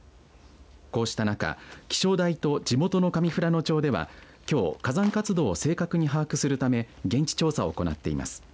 こうした中、気象台と地元の上富良野町ではきょう、火山活動を正確に把握するため現地調査を行っています。